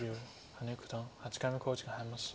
羽根九段８回目の考慮時間に入りました。